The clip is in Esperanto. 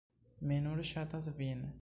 Mi nur ŝatas vin!